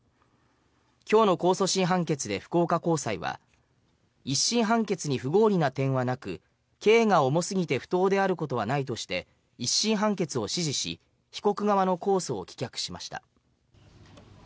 今日の控訴審判決で福岡高裁は１審判決に不合理な点はなく刑が重すぎて不当であることはないとして１審判決を支持し被告側の控訴を棄却しました。